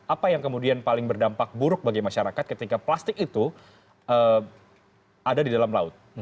apa yang kemudian paling berdampak buruk bagi masyarakat ketika plastik itu ada di dalam laut